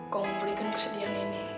kamu memberikan kesedihan ini